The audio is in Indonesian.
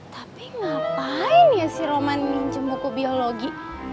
tapi ngapain ya si roman yang pinjem buku biologi